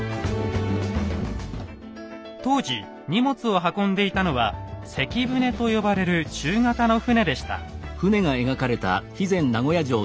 当時荷物を運んでいたのは「関船」と呼ばれる中型の船でした。